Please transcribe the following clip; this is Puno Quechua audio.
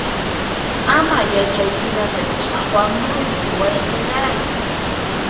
Ama ya chayhinata ch'aqwamuychu wayqillay